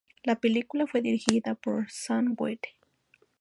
La película fue dirigida por Sam Wood.